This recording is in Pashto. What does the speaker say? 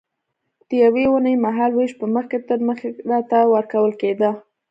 د یوې اوونۍ مهال وېش به مخکې تر مخکې راته ورکول کېده.